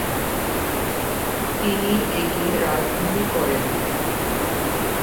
তিনি একে রাজধানী করেন।